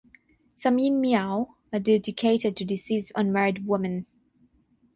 Some "yin miao" are dedicated to deceased unmarried women.